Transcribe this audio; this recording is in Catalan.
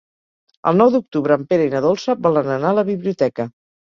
El nou d'octubre en Pere i na Dolça volen anar a la biblioteca.